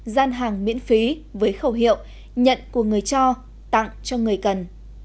gian hàng miễn phí với khẩu hiệu nhận của người cho tặng cho người cần